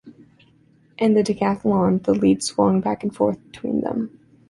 In the decathlon, the lead swung back and forth between them.